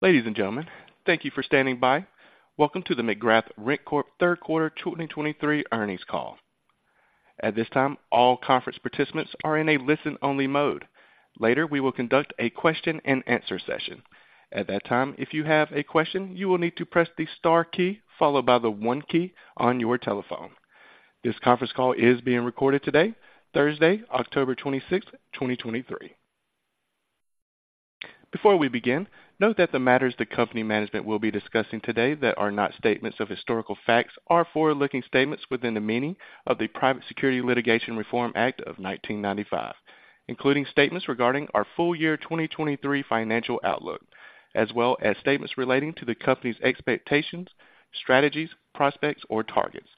Ladies and gentlemen, thank you for standing by. Welcome to the McGrath RentCorp Q3 2023 earnings call. At this time, all conference participants are in a listen-only mode. Later, we will conduct a question-and-answer session. At that time, if you have a question, you will need to press the star key followed by the one key on your telephone. This conference call is being recorded today, Thursday, October 26, 2023. Before we begin, note that the matters the company management will be discussing today that are not statements of historical facts are forward-looking statements within the meaning of the Private Securities Litigation Reform Act of 1995, including statements regarding our full year 2023 financial outlook, as well as statements relating to the company's expectations, strategies, prospects, or targets.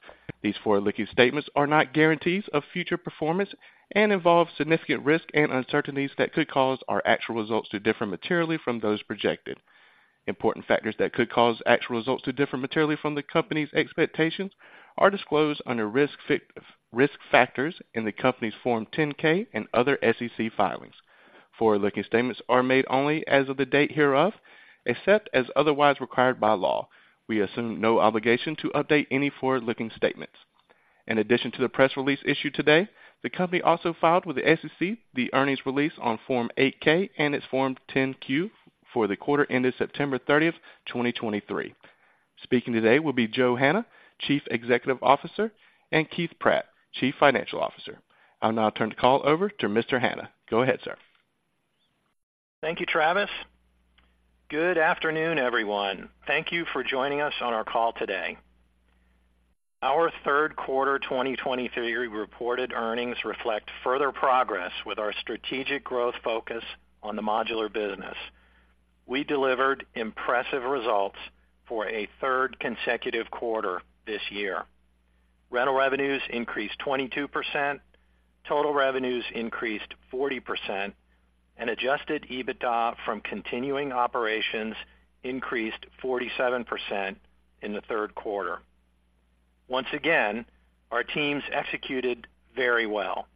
These forward-looking statements are not guarantees of future performance and involve significant risks and uncertainties that could cause our actual results to differ materially from those projected. Important factors that could cause actual results to differ materially from the company's expectations are disclosed under risk factors in the company's Form 10-K and other SEC filings. Forward-looking statements are made only as of the date hereof, except as otherwise required by law. We assume no obligation to update any forward-looking statements. In addition to the press release issued today, the company also filed with the SEC the earnings release on Form 8-K and its Form 10-Q for the quarter ended September thirtieth, 2023. Speaking today will be Joe Hanna, Chief Executive Officer, and Keith Pratt, Chief Financial Officer. I'll now turn the call over to Mr. Hanna. Go ahead, sir. Thank you, Travis. Good afternoon, everyone. Thank you for joining us on our call today. Our Q3 2023 reported earnings reflect further progress with our strategic growth focus on the modular business. We delivered impressive results for a third consecutive quarter this year. Rental revenues increased 22%, total revenues increased 40%, and adjusted EBITDA from continuing operations increased 47% in the Q3. Once again, our teams executed very well.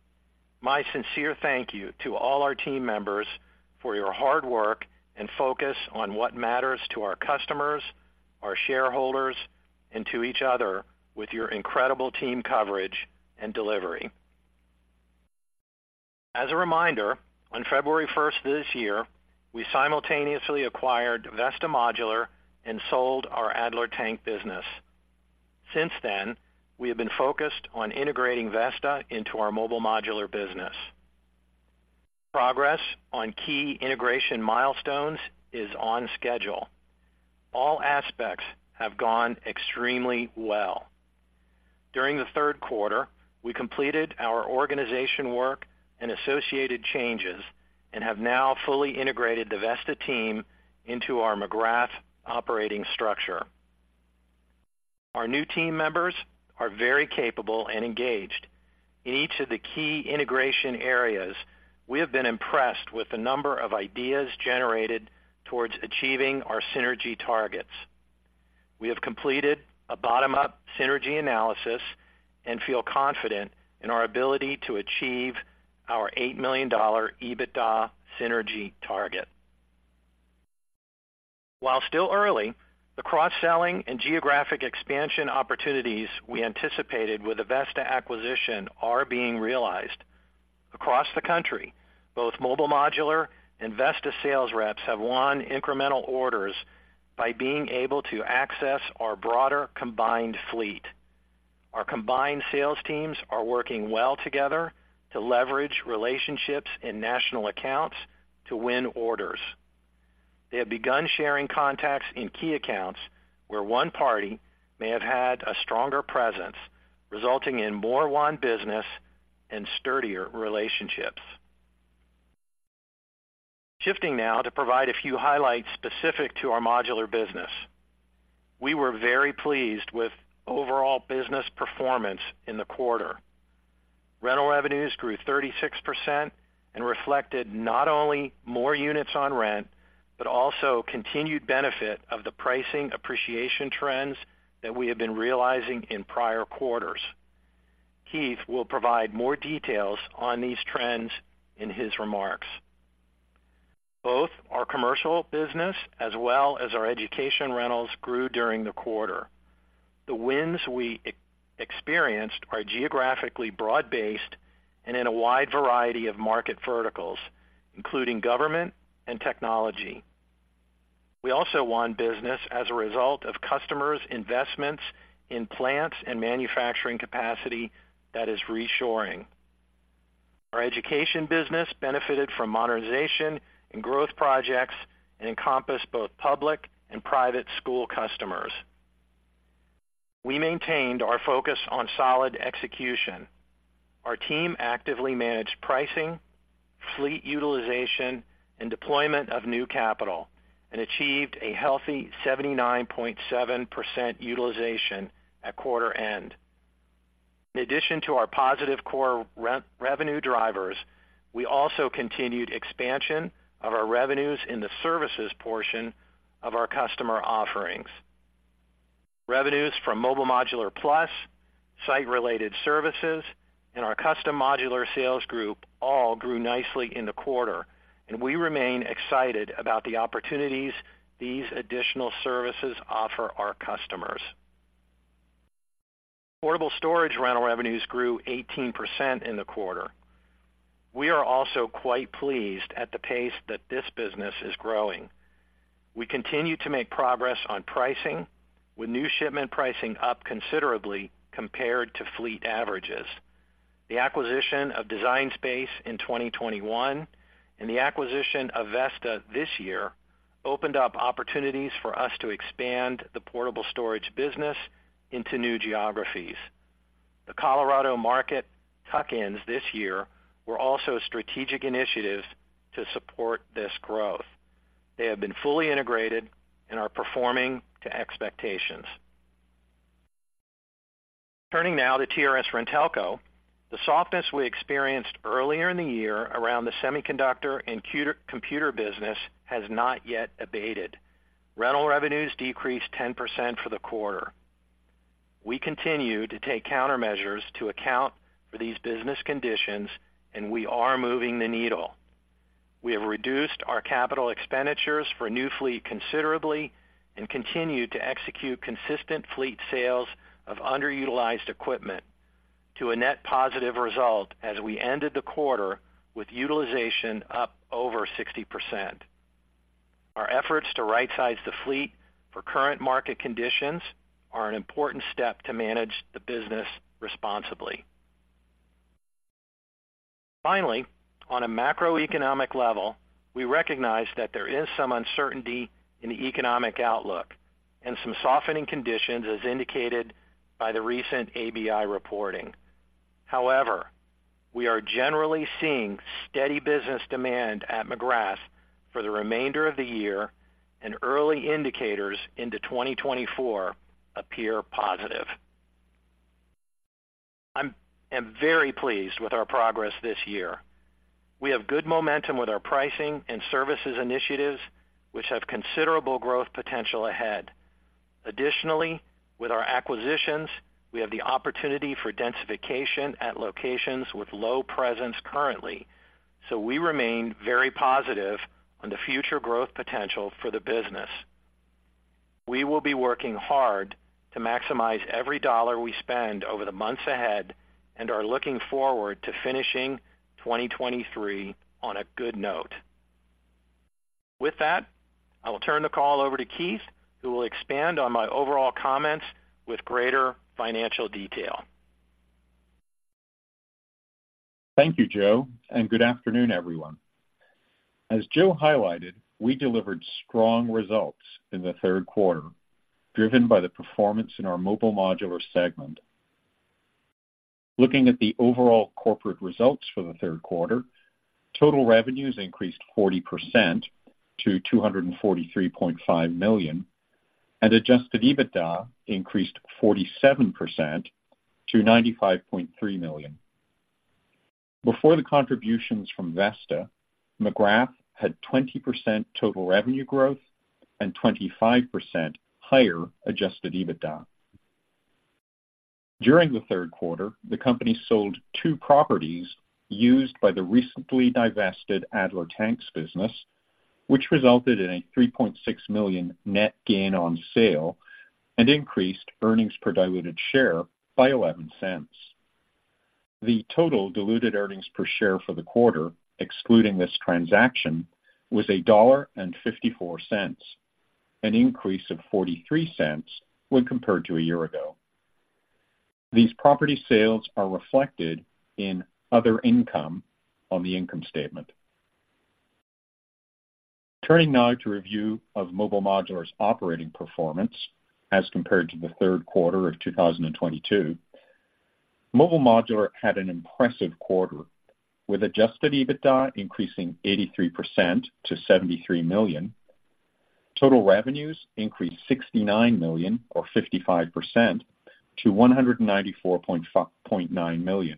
My sincere thank you to all our team members for your hard work and focus on what matters to our customers, our shareholders, and to each other with your incredible team coverage and delivery. As a reminder, on February 1, 2023, we simultaneously acquired Vesta Modular and sold our Adler Tank business. Since then, we have been focused on integrating Vesta into our Mobile Modular business. Progress on key integration milestones is on schedule. All aspects have gone extremely well. During the Q3, we completed our organization work and associated changes and have now fully integrated the Vesta team into our McGrath operating structure. Our new team members are very capable and engaged. In each of the key integration areas, we have been impressed with the number of ideas generated towards achieving our synergy targets. We have completed a bottom-up synergy analysis and feel confident in our ability to achieve our $8 million EBITDA synergy target. While still early, the cross-selling and geographic expansion opportunities we anticipated with the Vesta acquisition are being realized. Across the country, both Mobile Modular and Vesta sales reps have won incremental orders by being able to access our broader combined fleet. Our combined sales teams are working well together to leverage relationships in national accounts to win orders. They have begun sharing contacts in key accounts where one party may have had a stronger presence, resulting in more won business and sturdier relationships. Shifting now to provide a few highlights specific to our modular business. We were very pleased with overall business performance in the quarter. Rental revenues grew 36% and reflected not only more units on rent, but also continued benefit of the pricing appreciation trends that we have been realizing in prior quarters. Keith will provide more details on these trends in his remarks. Both our commercial business as well as our education rentals grew during the quarter. The wins we experienced are geographically broad-based and in a wide variety of market verticals, including government and technology. We also won business as a result of customers' investments in plants and manufacturing capacity that is reshoring. Our education business benefited from modernization and growth projects and encompassed both public and private school customers. We maintained our focus on solid execution. Our team actively managed pricing, fleet utilization, and deployment of new capital and achieved a healthy 79.7% utilization at quarter end. In addition to our positive core revenue drivers, we also continued expansion of our revenues in the services portion of our customer offerings. Revenues from Mobile Modular Plus, site-related services, and our custom modular sales group all grew nicely in the quarter, and we remain excited about the opportunities these additional services offer our customers. Portable storage rental revenues grew 18% in the quarter. We are also quite pleased at the pace that this business is growing. We continue to make progress on pricing, with new shipment pricing up considerably compared to fleet averages. The acquisition of Design Space in 2021 and the acquisition of Vesta this year opened up opportunities for us to expand the portable storage business into new geographies. The Colorado market tuck-ins this year were also strategic initiatives to support this growth. They have been fully integrated and are performing to expectations. Turning now to TRS-RenTelco, the softness we experienced earlier in the year around the semiconductor and computer business has not yet abated. Rental revenues decreased 10% for the quarter. We continue to take countermeasures to account for these business conditions, and we are moving the needle. We have reduced our capital expenditures for new fleet considerably and continue to execute consistent fleet sales of underutilized equipment to a net positive result as we ended the quarter with utilization up over 60%. Our efforts to right-size the fleet for current market conditions are an important step to manage the business responsibly. Finally, on a macroeconomic level, we recognize that there is some uncertainty in the economic outlook and some softening conditions, as indicated by the recent ABI reporting. However, we are generally seeing steady business demand at McGrath for the remainder of the year, and early indicators into 2024 appear positive. I'm very pleased with our progress this year. We have good momentum with our pricing and services initiatives, which have considerable growth potential ahead. Additionally, with our acquisitions, we have the opportunity for densification at locations with low presence currently, so we remain very positive on the future growth potential for the business. We will be working hard to maximize every dollar we spend over the months ahead and are looking forward to finishing 2023 on a good note. With that, I will turn the call over to Keith, who will expand on my overall comments with greater financial detail. Thank you, Joe, and good afternoon, everyone. As Joe highlighted, we delivered strong results in the Q3, driven by the performance in our Mobile Modular segment. Looking at the overall corporate results for the Q3, total revenues increased 40% to $243.5 million, and adjusted EBITDA increased 47% to $95.3 million. Before the contributions from Vesta, McGrath had 20% total revenue growth and 25% higher adjusted EBITDA. During the Q3, the company sold two properties used by the recently divested Adler Tanks business, which resulted in a $3.6 million net gain on sale and increased earnings per diluted share by $0.11. The total diluted earnings per share for the quarter, excluding this transaction, was $1.54, an increase of $0.43 when compared to a year ago. These property sales are reflected in other income on the income statement. Turning now to review of Mobile Modular's operating performance as compared to the Q3 of 2022. Mobile Modular had an impressive quarter, with adjusted EBITDA increasing 83% to $73 million. Total revenues increased $69 million, or 55%, to $194.9 million.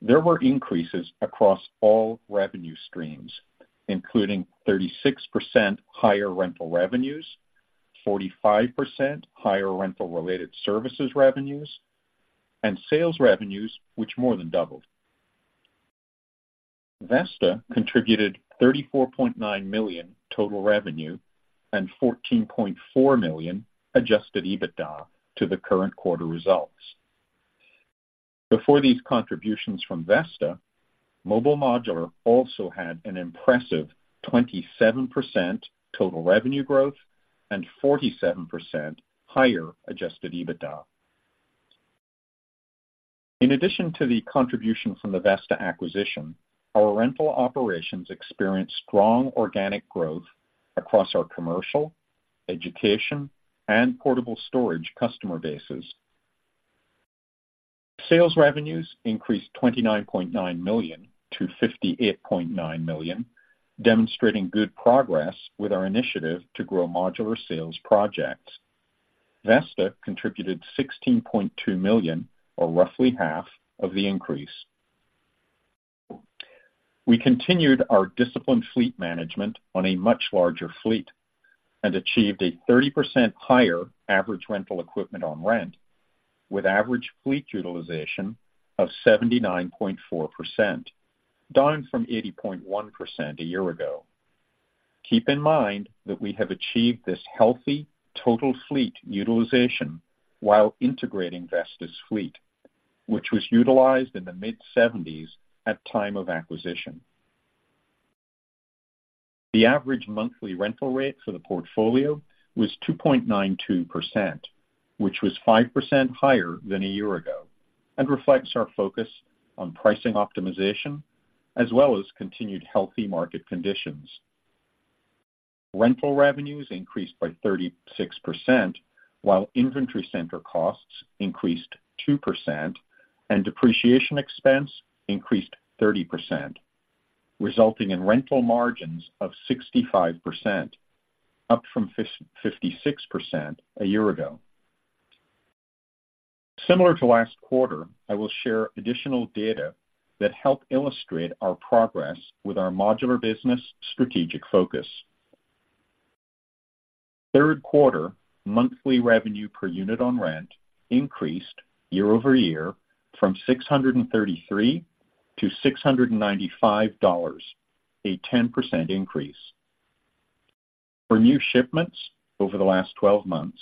There were increases across all revenue streams, including 36% higher rental revenues, 45% higher rental-related services revenues, and sales revenues, which more than doubled. Vesta contributed $34.9 million total revenue and $14.4 million adjusted EBITDA to the current quarter results. Before these contributions from Vesta, Mobile Modular also had an impressive 27% total revenue growth and 47% higher adjusted EBITDA. In addition to the contribution from the Vesta acquisition, our rental operations experienced strong organic growth across our commercial, education, and portable storage customer bases. Sales revenues increased $29.9 million to $58.9 million, demonstrating good progress with our initiative to grow modular sales projects. Vesta contributed $16.2 million, or roughly half, of the increase. We continued our disciplined fleet management on a much larger fleet and achieved a 30% higher average rental equipment on rent, with average fleet utilization of 79.4%, down from 80.1% a year ago. Keep in mind that we have achieved this healthy total fleet utilization while integrating Vesta's fleet, which was utilized in the mid-70s at time of acquisition. The average monthly rental rate for the portfolio was 2.92%, which was 5% higher than a year ago, and reflects our focus on pricing optimization as well as continued healthy market conditions. Rental revenues increased by 36%, while inventory center costs increased 2% and depreciation expense increased 30%, resulting in rental margins of 65%, up from 56% a year ago. Similar to last quarter, I will share additional data that help illustrate our progress with our modular business strategic focus. Q3 monthly revenue per unit on rent increased year over year from $633 to $695, a 10% increase. For new shipments over the last twelve months,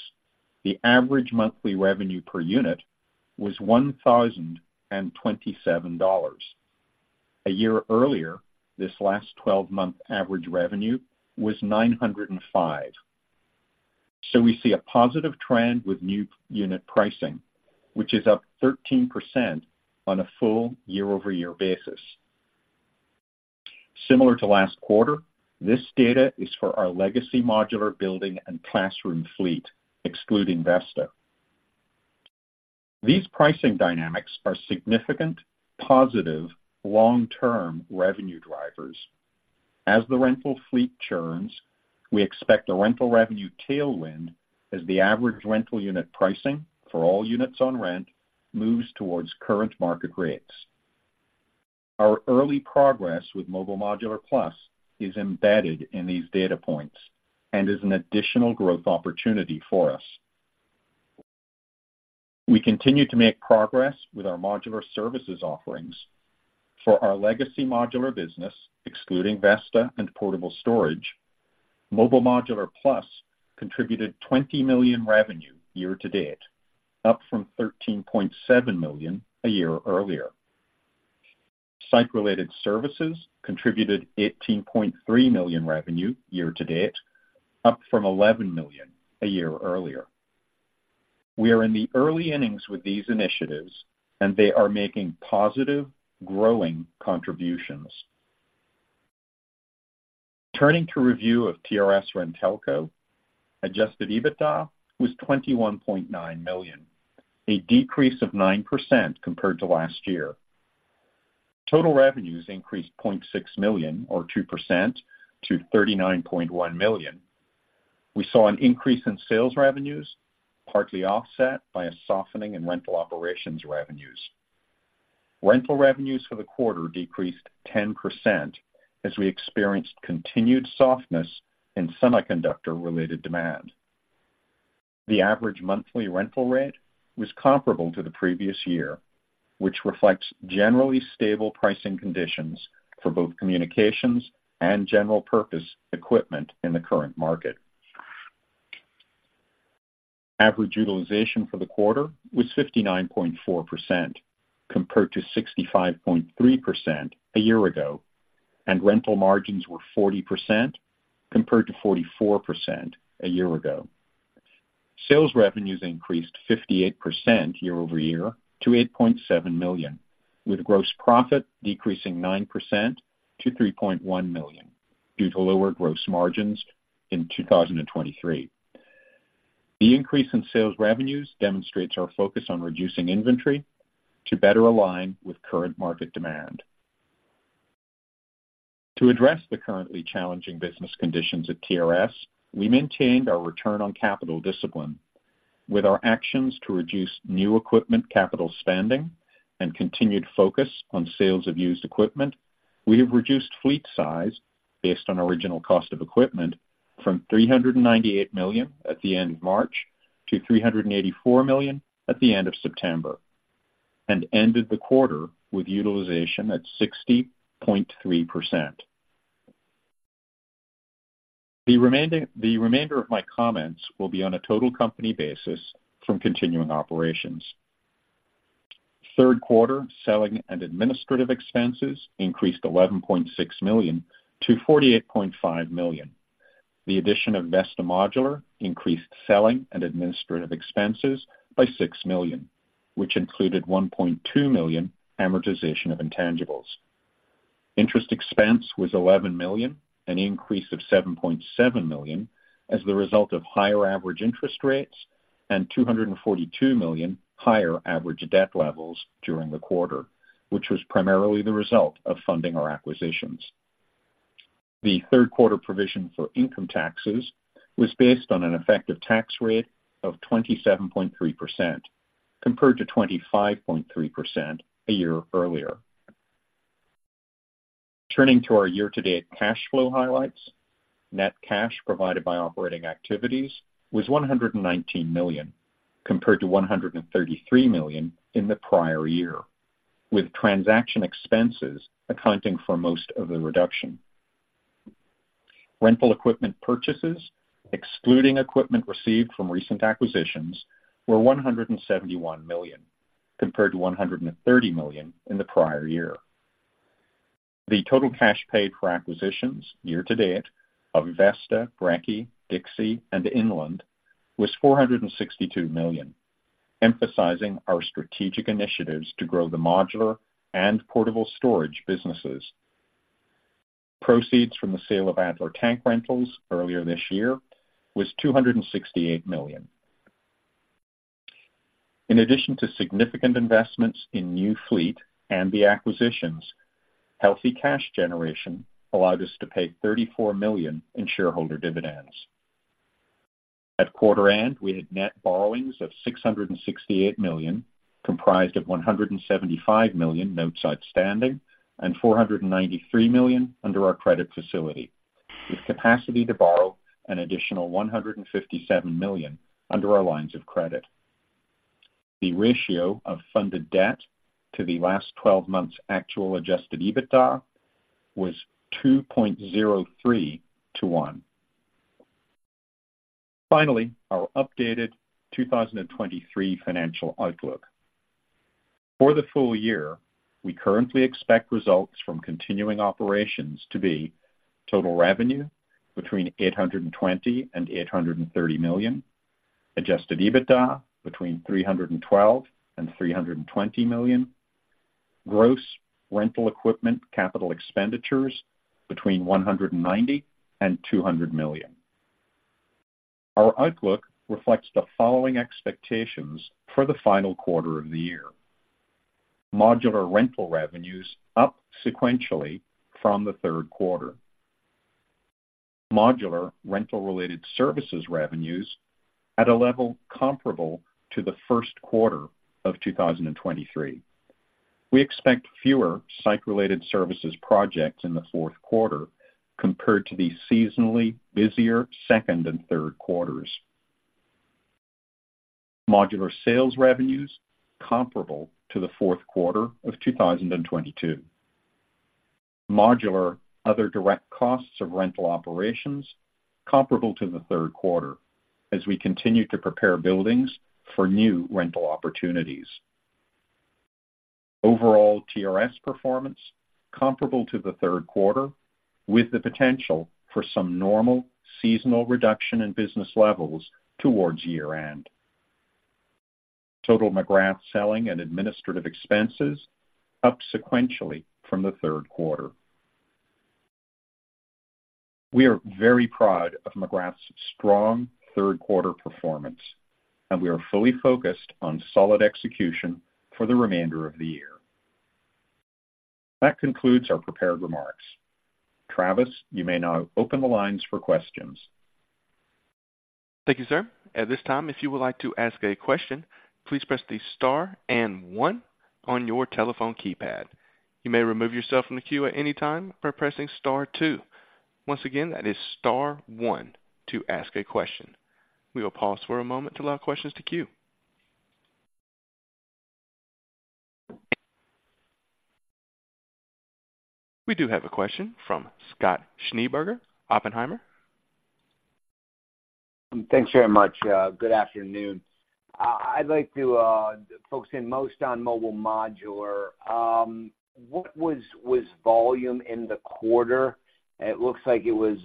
the average monthly revenue per unit was $1,027. A year earlier, this last twelve-month average revenue was $905. So we see a positive trend with new unit pricing, which is up 13% on a full year-over-year basis. Similar to last quarter, this data is for our legacy modular building and classroom fleet, excluding Vesta. These pricing dynamics are significant, positive, long-term revenue drivers. As the rental fleet churns, we expect a rental revenue tailwind as the average rental unit pricing for all units on rent moves towards current market rates. Our early progress with Mobile Modular Plus is embedded in these data points and is an additional growth opportunity for us. We continue to make progress with our modular services offerings. For our legacy modular business, excluding Vesta and portable storage, Mobile Modular Plus contributed $20 million revenue year to date, up from $13.7 million a year earlier. Site-related services contributed $18.3 million revenue year to date, up from $11 million a year earlier. We are in the early innings with these initiatives, and they are making positive, growing contributions. Turning to review of TRS-RenTelco, Adjusted EBITDA was $21.9 million, a decrease of 9% compared to last year. Total revenues increased $0.6 million, or 2%, to $39.1 million. We saw an increase in sales revenues, partly offset by a softening in rental operations revenues. Rental revenues for the quarter decreased 10% as we experienced continued softness in semiconductor-related demand. The average monthly rental rate was comparable to the previous year, which reflects generally stable pricing conditions for both communications and general purpose equipment in the current market. Average utilization for the quarter was 59.4%, compared to 65.3% a year ago, and rental margins were 40%, compared to 44% a year ago. Sales revenues increased 58% year-over-year to $8.7 million, with gross profit decreasing 9% to $3.1 million due to lower gross margins in 2023. The increase in sales revenues demonstrates our focus on reducing inventory to better align with current market demand. To address the currently challenging business conditions at TRS, we maintained our return on capital discipline. With our actions to reduce new equipment capital spending and continued focus on sales of used equipment, we have reduced fleet size based on original cost of equipment from $398 million at the end of March to $384 million at the end of September, and ended the quarter with utilization at 60.3%. The remainder of my comments will be on a total company basis from continuing operations. Q3 selling and administrative expenses increased $11.6 million to $48.5 million. The addition of Vesta Modular increased selling and administrative expenses by $6 million, which included $1.2 million amortization of intangibles. Interest expense was $11 million, an increase of $7.7 million, as the result of higher average interest rates and $242 million higher average debt levels during the quarter, which was primarily the result of funding our acquisitions.... The Q3 provision for income taxes was based on an effective tax rate of 27.3%, compared to 25.3% a year earlier. Turning to our year-to-date cash flow highlights. Net cash provided by operating activities was $119 million, compared to $133 million in the prior year, with transaction expenses accounting for most of the reduction. Rental equipment purchases, excluding equipment received from recent acquisitions, were $171 million, compared to $130 million in the prior year. The total cash paid for acquisitions year-to-date of Vesta, Brekke, Dixie and Inland was $462 million, emphasizing our strategic initiatives to grow the modular and portable storage businesses. Proceeds from the sale of Adler Tank Rentals earlier this year was $268 million. In addition to significant investments in new fleet and the acquisitions, healthy cash generation allowed us to pay $34 million in shareholder dividends. At quarter end, we had net borrowings of $668 million, comprised of $175 million notes outstanding and $493 million under our credit facility, with capacity to borrow an additional $157 million under our lines of credit. The ratio of funded debt to the last twelve months' actual adjusted EBITDA was 2.03 to 1. Finally, our updated 2023 financial outlook. For the full year, we currently expect results from continuing operations to be: total revenue between $820 million and $830 million, adjusted EBITDA between $312 million and $320 million, gross rental equipment capital expenditures between $190 million and $200 million. Our outlook reflects the following expectations for the final quarter of the year. Modular rental revenues up sequentially from the Q3. Modular rental-related services revenues at a level comparable to the Q1 of 2023. We expect fewer site-related services projects in the Q4 compared to the seasonally busier second and Q3s. Modular sales revenues comparable to the Q4 of 2022. Modular other direct costs of rental operations comparable to the Q3 as we continue to prepare buildings for new rental opportunities. Overall TRS performance comparable to the Q3, with the potential for some normal seasonal reduction in business levels towards year-end. Total McGrath selling and administrative expenses up sequentially from the Q3. We are very proud of McGrath's strong Q3 performance, and we are fully focused on solid execution for the remainder of the year. That concludes our prepared remarks. Travis, you may now open the lines for questions. Thank you, sir. At this time, if you would like to ask a question, please press the star and one on your telephone keypad. You may remove yourself from the queue at any time by pressing star two. Once again, that is star one to ask a question. We will pause for a moment to allow questions to queue. We do have a question from Scott Schneeberger, Oppenheimer. Thanks very much. Good afternoon. I'd like to focus in most on Mobile Modular. What was volume in the quarter? It looks like it was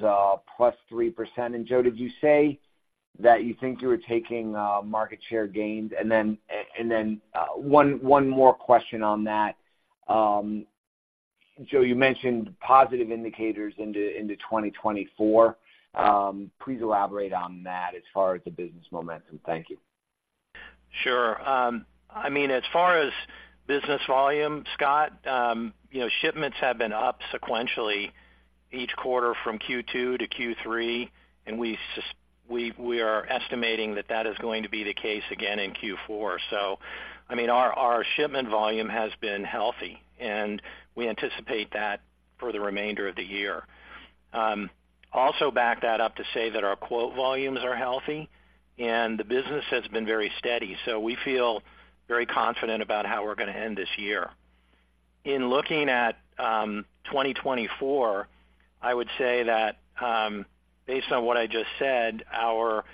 plus 3%. And Joe, did you say that you think you were taking market share gains? One more question on that. Joe, you mentioned positive indicators into 2024. Please elaborate on that as far as the business momentum. Thank you. Sure. I mean, as far as business volume, Scott, you know, shipments have been up sequentially each quarter from Q2 to Q3, and we are estimating that that is going to be the case again in Q4. So, I mean, our shipment volume has been healthy, and we anticipate that for the remainder of the year. Also back that up to say that our quote volumes are healthy and the business has been very steady, so we feel very confident about how we're going to end this year. In looking at 2024, I would say that, based on what I just said, our-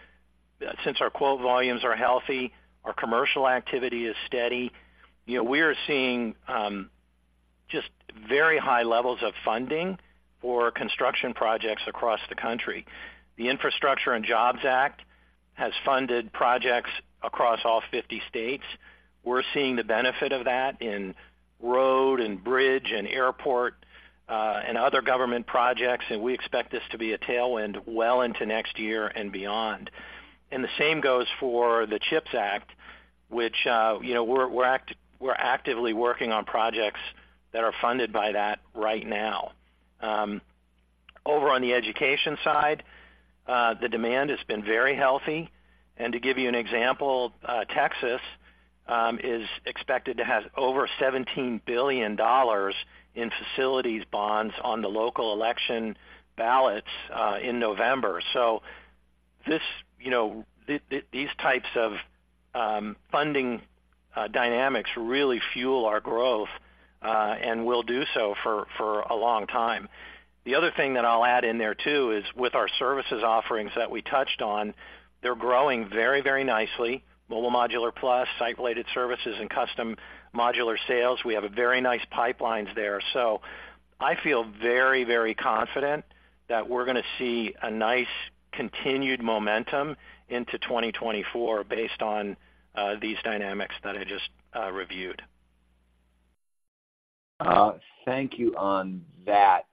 since our quote volumes are healthy, our commercial activity is steady, you know, we are seeing just very high levels of funding for construction projects across the country. The Infrastructure and Jobs Act has funded projects across all 50 states. We're seeing the benefit of that in road and bridge and airport, and other government projects, and we expect this to be a tailwind well into next year and beyond. The same goes for the CHIPS Act, which, you know, we're actively working on projects that are funded by that right now. Over on the education side, the demand has been very healthy. And to give you an example, Texas is expected to have over $17 billion in facilities bonds on the local election ballots in November. This, you know, these types of funding dynamics really fuel our growth, and will do so for a long time. The other thing that I'll add in there too, is with our services offerings that we touched on, they're growing very, very nicely. Mobile Modular Plus, site-related services and custom modular sales, we have very nice pipelines there. So I feel very, very confident that we're going to see a nice continued momentum into 2024 based on these dynamics that I just reviewed. Thank you on that.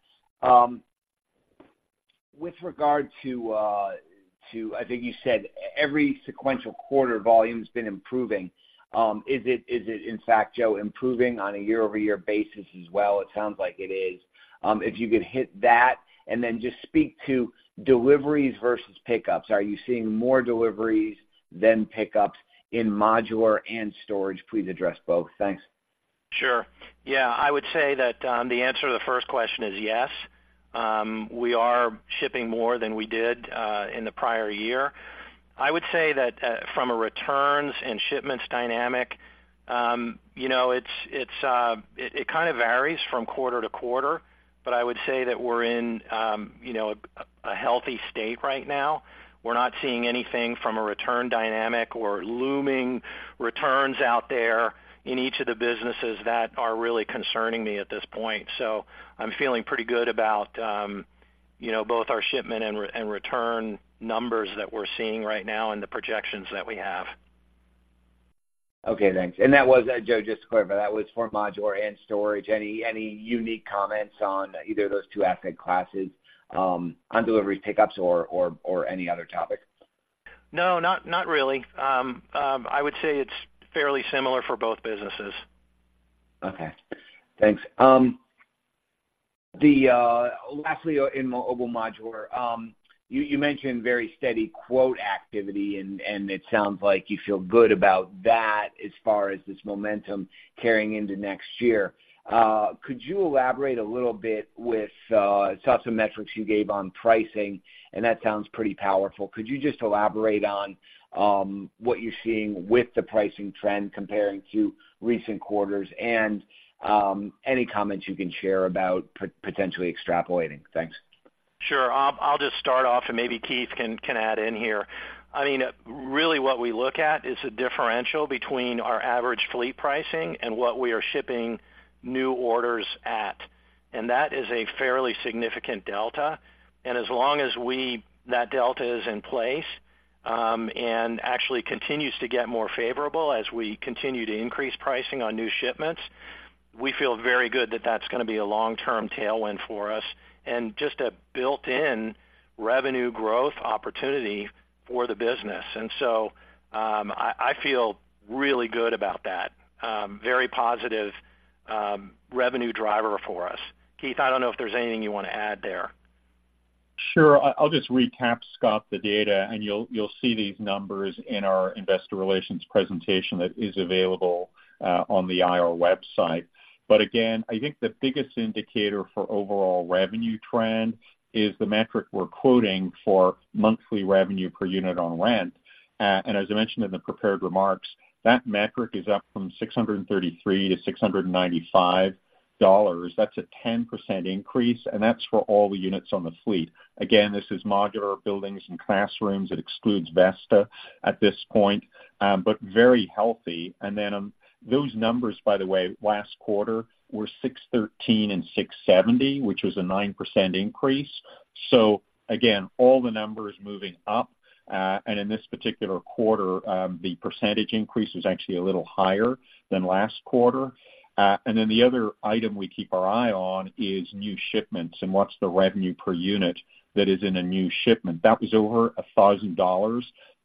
With regard to, I think you said every sequential quarter volume has been improving. Is it in fact, Joe, improving on a year-over-year basis as well? It sounds like it is. If you could hit that, and then just speak to deliveries versus pickups. Are you seeing more deliveries than pickups in modular and storage? Please address both. Thanks. Sure. Yeah, I would say that the answer to the first question is yes. We are shipping more than we did in the prior year. I would say that from a returns and shipments dynamic, you know, it kind of varies from quarter to quarter, but I would say that we're in you know a healthy state right now. We're not seeing anything from a return dynamic or looming returns out there in each of the businesses that are really concerning me at this point. So I'm feeling pretty good about you know both our shipment and return numbers that we're seeing right now and the projections that we have. Okay, thanks. That was Joe, just to clarify, that was for modular and storage. Any unique comments on either of those two asset classes, on delivery, pickups, or any other topic? No, not, not really. I would say it's fairly similar for both businesses. Okay, thanks. Lastly, in Mobile Modular, you mentioned very steady quote activity, and it sounds like you feel good about that as far as this momentum carrying into next year. Could you elaborate a little bit with saw some metrics you gave on pricing, and that sounds pretty powerful. Could you just elaborate on what you're seeing with the pricing trend comparing to recent quarters and any comments you can share about potentially extrapolating? Thanks. Sure. I'll just start off and maybe Keith can add in here. I mean, really what we look at is the differential between our average fleet pricing and what we are shipping new orders at, and that is a fairly significant delta. As long as we, that delta is in place, and actually continues to get more favorable as we continue to increase pricing on new shipments, we feel very good that that's going to be a long-term tailwind for us and just a built-in revenue growth opportunity for the business. So, I feel really good about that, very positive revenue driver for us. Keith, I don't know if there's anything you want to add there. Sure. I'll just recap, Scott, the data, and you'll see these numbers in our investor relations presentation that is available on the IR website. But again, I think the biggest indicator for overall revenue trend is the metric we're quoting for monthly revenue per unit on rent. And as I mentioned in the prepared remarks, that metric is up from $633-$695. That's a 10% increase, and that's for all the units on the fleet. Again, this is modular buildings and classrooms. It excludes Vesta at this point, but very healthy. And then, those numbers, by the way, last quarter, were $613 and $670, which was a 9% increase. So again, all the numbers moving up, and in this particular quarter, the percentage increase is actually a little higher than last quarter. And then the other item we keep our eye on is new shipments and what's the revenue per unit that is in a new shipment. That was over $1,000,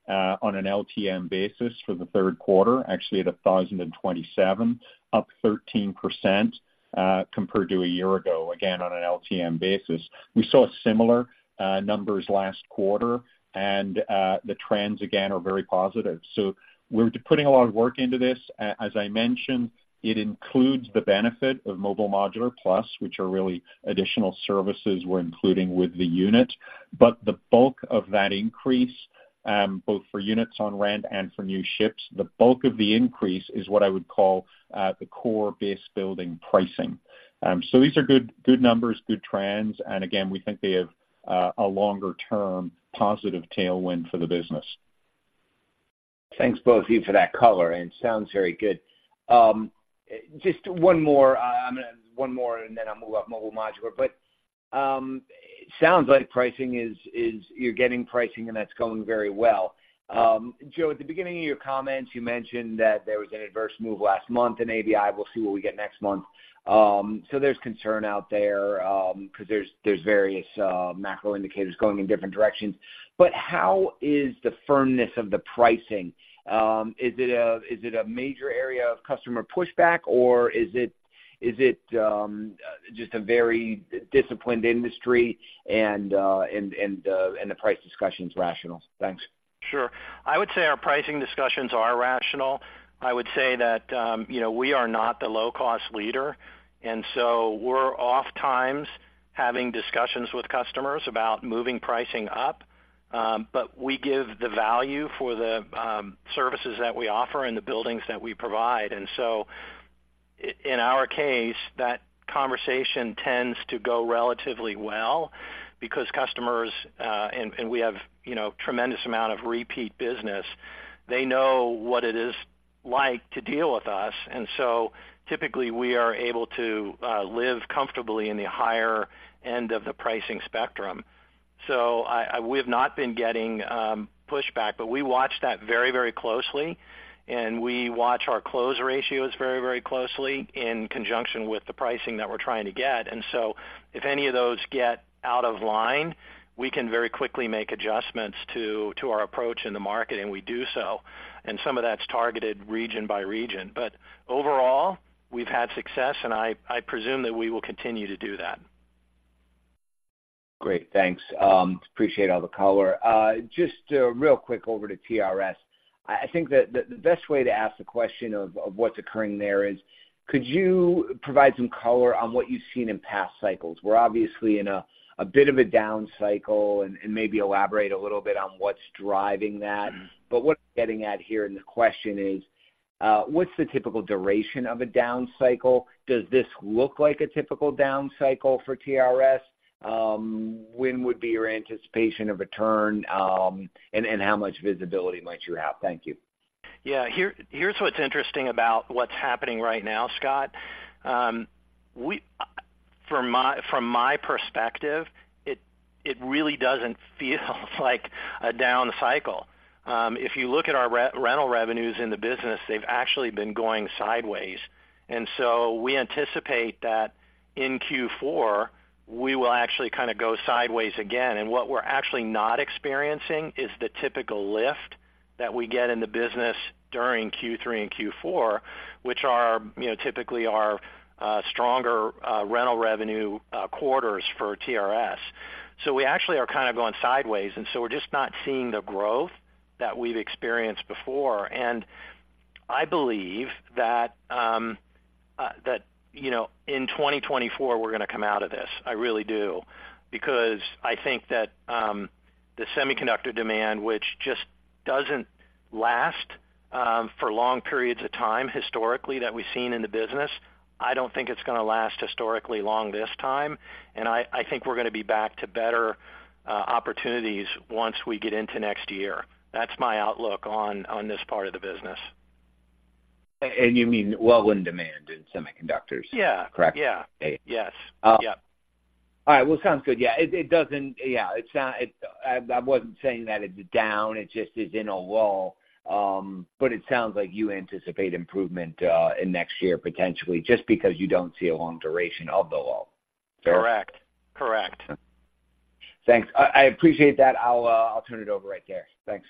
on an LTM basis for the Q3, actually at $1,027, up 13%, compared to a year ago, again, on an LTM basis. We saw similar numbers last quarter, and the trends again are very positive. So we're putting a lot of work into this. As I mentioned, it includes the benefit of Mobile Modular Plus, which are really additional services we're including with the unit. But the bulk of that increase, both for units on rent and for new ships, the bulk of the increase is what I would call, the core base building pricing. So these are good, good numbers, good trends, and again, we think they have a longer-term positive tailwind for the business. Thanks both of you for that color, it sounds very good. Just one more, I'm gonna... One more, then I'll move off Mobile Modular. It sounds like pricing is, you're getting pricing, and that's going very well. Joe, at the beginning of your comments, you mentioned that there was an adverse move last month in ABI. We'll see what we get next month. There's concern out there, because there's various macro indicators going in different directions. How is the firmness of the pricing? Is it a major area of customer pushback, or is it just a very disciplined industry and the price discussion's rational? Thanks. Sure. I would say our pricing discussions are rational. I would say that, you know, we are not the low-cost leader, and so we're oftentimes having discussions with customers about moving pricing up. But we give the value for the, services that we offer and the buildings that we provide. And so in our case, that conversation tends to go relatively well because customers, and we have, you know, tremendous amount of repeat business. They know what it is like to deal with us, and so typically, we are able to, live comfortably in the higher end of the pricing spectrum. So we have not been getting, pushback, but we watch that very, very closely, and we watch our close ratios very, very closely in conjunction with the pricing that we're trying to get. And so if any of those get out of line, we can very quickly make adjustments to, to our approach in the market, and we do so, and some of that's targeted region by region. But overall, we've had success, and I, I presume that we will continue to do that. Great, thanks. Appreciate all the color. Just real quick over to TRS. I think that the best way to ask the question of what's occurring there is: Could you provide some color on what you've seen in past cycles? We're obviously in a bit of a down cycle, and maybe elaborate a little bit on what's driving that. What I'm getting at here, and the question is, what's the typical duration of a down cycle? Does this look like a typical down cycle for TRS? When would be your anticipation of a turn, and how much visibility might you have? Thank you. Yeah, here's what's interesting about what's happening right now, Scott. We, from my perspective, it really doesn't feel like a down cycle. If you look at our rental revenues in the business, they've actually been going sideways. We anticipate that in Q4, we will actually kind of go sideways again. What we're actually not experiencing is the typical lift that we get in the business during Q3 and Q4, which are, you know, typically our stronger rental revenue quarters for TRS. We actually are kind of going sideways, and we're just not seeing the growth that we've experienced before. I believe that, you know, in 2024, we're gonna come out of this. I really do. Because I think that the semiconductor demand, which just doesn't last for long periods of time historically that we've seen in the business, I don't think it's gonna last historically long this time, and I think we're gonna be back to better opportunities once we get into next year. That's my outlook on this part of the business. And you mean well in demand in semiconductors? Yeah. Correct? Yeah. Yes. Uh. Yep. All right. Well, sounds good. Yeah, it doesn't... Yeah, it's not, I wasn't saying that it's down, it just is in a lull. But it sounds like you anticipate improvement in next year, potentially, just because you don't see a long duration of the lull. Correct. Correct. Thanks. I appreciate that. I'll turn it over right there. Thanks.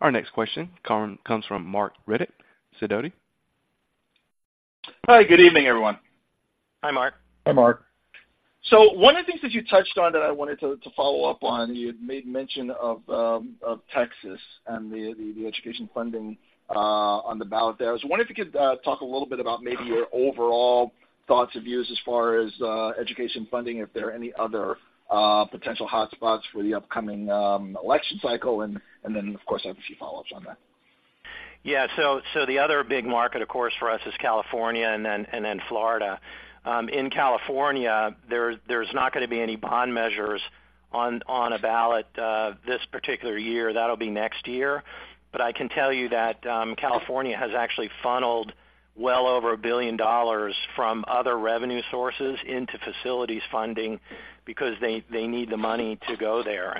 Our next question comes from Marc Riddick, Sidoti. Hi, good evening, everyone. Hi, Marc. Hi, Marc. So one of the things that you touched on that I wanted to follow up on, you had made mention of Texas and the education funding on the ballot there. I was wondering if you could talk a little bit about maybe your overall thoughts and views as far as education funding, if there are any other potential hotspots for the upcoming election cycle, and then, of course, I have a few follow-ups on that. Yeah. The other big market, of course, for us is California and then Florida. In California, there's not going to be any bond measures on a ballot this particular year. That'll be next year. I can tell you that California has actually funneled well over $1 billion from other revenue sources into facilities funding because they need the money to go there.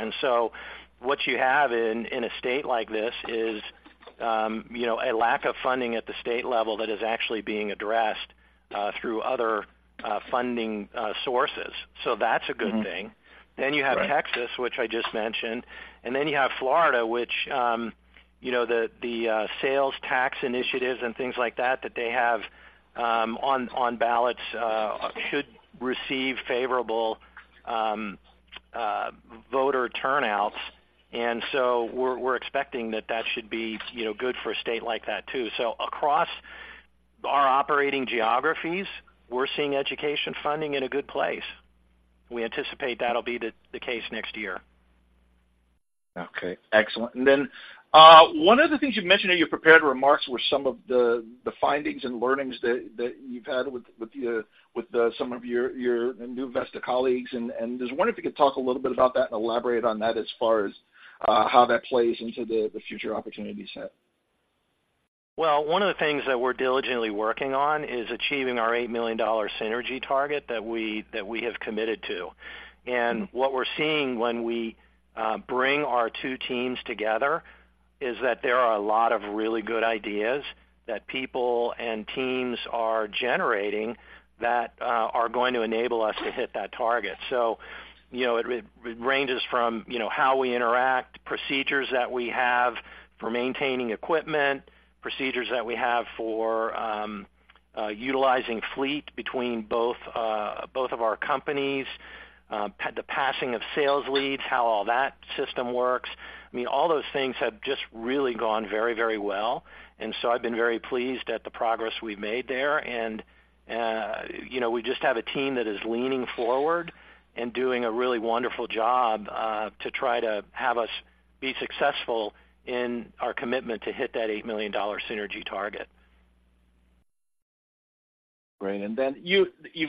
What you have in a state like this is, you know, a lack of funding at the state level that is actually being addressed through other funding sources. That's a good thing. Mm-hmm. Right. Then you have Texas, which I just mentioned, and then you have Florida, which, you know, sales tax initiatives and things like that, that they have on ballots should receive favorable voter turnouts. And so we're expecting that that should be, you know, good for a state like that, too. So across our operating geographies, we're seeing education funding in a good place. We anticipate that'll be the case next year. Okay, excellent. And then, one of the things you've mentioned in your prepared remarks were some of the findings and learnings that you've had with some of your new Vesta colleagues. And just wondering if you could talk a little bit about that and elaborate on that as far as how that plays into the future opportunity set?... Well, one of the things that we're diligently working on is achieving our $8 million synergy target that we have committed to. And what we're seeing when we bring our two teams together is that there are a lot of really good ideas that people and teams are generating that are going to enable us to hit that target. So, you know, it ranges from, you know, how we interact, procedures that we have for maintaining equipment, procedures that we have for utilizing fleet between both of our companies, the passing of sales leads, how all that system works. I mean, all those things have just really gone very, very well, and so I've been very pleased at the progress we've made there. You know, we just have a team that is leaning forward and doing a really wonderful job to try to have us be successful in our commitment to hit that $8 million synergy target. Great. And then you've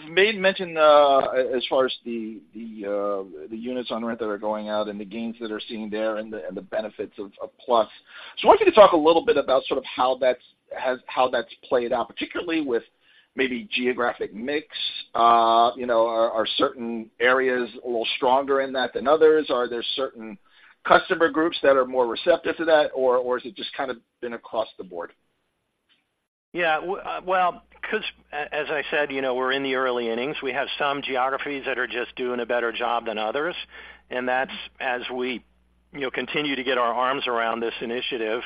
made mention, as far as the units on rent that are going out and the gains that are seeing there and the benefits of Plus. So I want you to talk a little bit about sort of how that's played out, particularly with maybe geographic mix. You know, are certain areas a little stronger in that than others? Are there certain customer groups that are more receptive to that, or is it just kind of been across the board? Yeah, well, because as I said, you know, we're in the early innings. We have some geographies that are just doing a better job than others, and that's as we, you know, continue to get our arms around this initiative,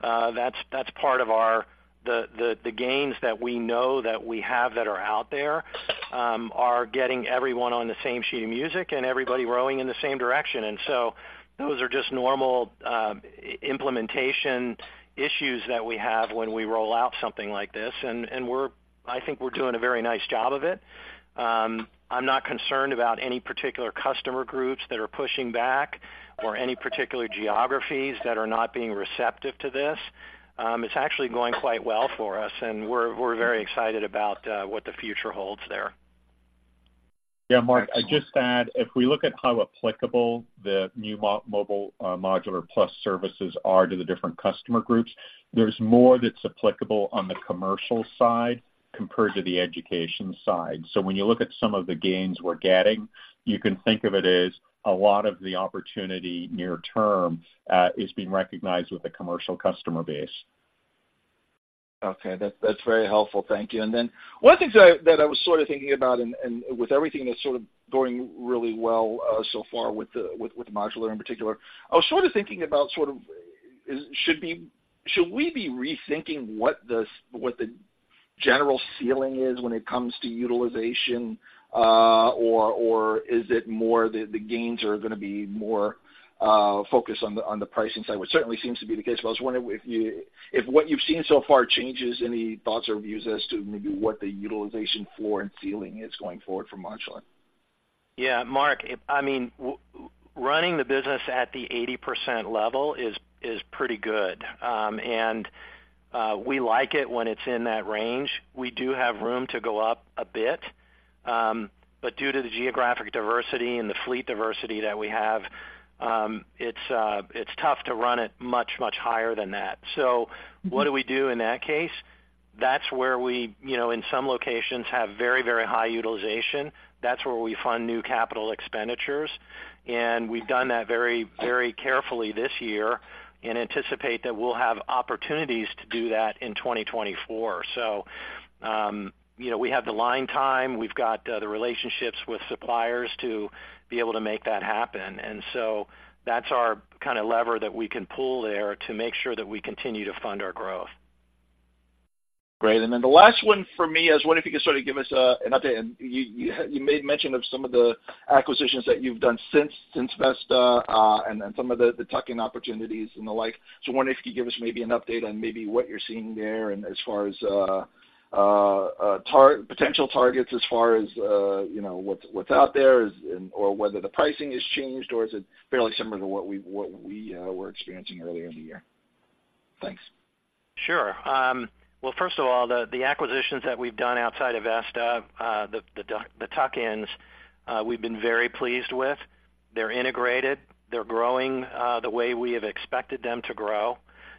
that's part of our, the gains that we know that we have that are out there, are getting everyone on the same sheet of music and everybody rowing in the same direction. And so those are just normal implementation issues that we have when we roll out something like this, and we're, I think we're doing a very nice job of it. I'm not concerned about any particular customer groups that are pushing back or any particular geographies that are not being receptive to this. It's actually going quite well for us, and we're very excited about what the future holds there. Yeah, Marc, I'd just add, if we look at how applicable the new mobile Modular Plus services are to the different customer groups, there's more that's applicable on the commercial side compared to the education side. So when you look at some of the gains we're getting, you can think of it as a lot of the opportunity near term is being recognized with the commercial customer base. Okay. That's, that's very helpful. Thank you. And then one of the things that I was sort of thinking about and with everything that's sort of going really well so far with Modular in particular, I was sort of thinking about, should we be rethinking what the general ceiling is when it comes to utilization, or is it more the gains are going to be more focused on the pricing side, which certainly seems to be the case. But I was wondering if what you've seen so far changes any thoughts or views as to maybe what the utilization floor and ceiling is going forward for Modular? Yeah, Marc, I mean, running the business at the 80% level is, is pretty good. We like it when it's in that range. We do have room to go up a bit, but due to the geographic diversity and the fleet diversity that we have, it's, it's tough to run it much, much higher than that. So what do we do in that case? That's where we, you know, in some locations, have very, very high utilization. That's where we fund new capital expenditures, and we've done that very, very carefully this year and anticipate that we'll have opportunities to do that in 2024. So, you know, we have the lead time, we've got the relationships with suppliers to be able to make that happen, and so that's our kind of lever that we can pull there to make sure that we continue to fund our growth. Great. The last one for me is, I wonder if you could sort of give us an update. You made mention of some of the acquisitions that you've done since Vesta, and then some of the tuck-in opportunities and the like. I wonder if you could give us maybe an update on maybe what you're seeing there as far as potential targets, as far as, you know, what's out there, whether the pricing has changed, or is it fairly similar to what we were experiencing earlier in the year? Thanks. Sure. Well, first of all, the acquisitions that we've done outside of Vesta, the tuck-ins, we've been very pleased with. They're integrated, they're growing the way we have expected them to grow,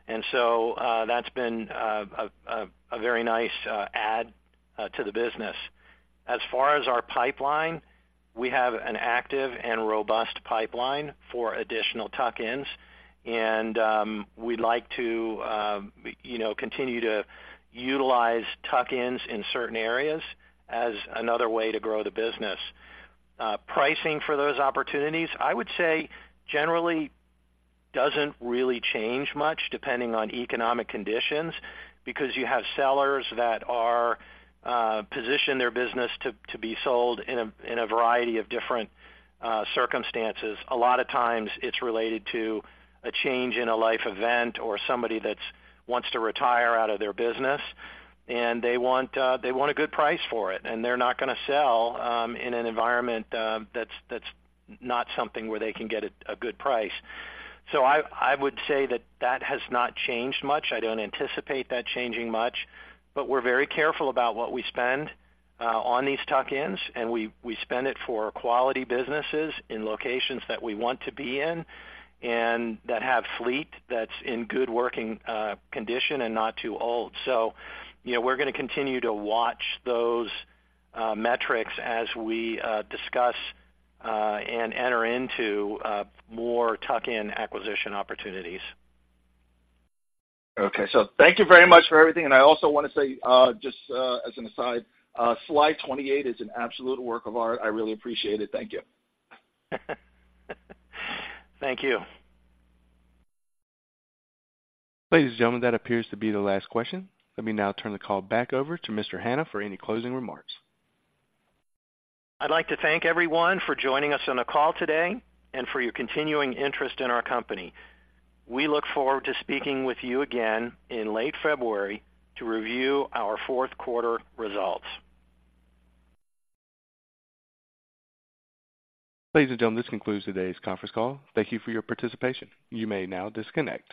and so, that's been a very nice add to the business. As far as our pipeline, we have an active and robust pipeline for additional tuck-ins, and we'd like to, you know, continue to utilize tuck-ins in certain areas as another way to grow the business. Pricing for those opportunities, I would say, generally doesn't really change much depending on economic conditions, because you have sellers that are position their business to be sold in a variety of different circumstances. A lot of times it's related to a change in a life event or somebody that's wants to retire out of their business, and they want, they want a good price for it, and they're not going to sell, in an environment, that's, that's not something where they can get a, a good price. So I, I would say that that has not changed much. I don't anticipate that changing much, but we're very careful about what we spend, on these tuck-ins, and we, we spend it for quality businesses in locations that we want to be in and that have fleet that's in good working, condition and not too old. So, you know, we're going to continue to watch those, metrics as we, discuss, and enter into, more tuck-in acquisition opportunities. Okay. So thank you very much for everything. And I also want to say, just, as an aside, slide 28 is an absolute work of art. I really appreciate it. Thank you. Thank you. Ladies and gentlemen, that appears to be the last question. Let me now turn the call back over to Mr. Hanna for any closing remarks. I'd like to thank everyone for joining us on the call today, and for your continuing interest in our company. We look forward to speaking with you again in late February to review our Q4 results. Ladies and gentlemen, this concludes today's conference call. Thank you for your participation. You may now disconnect.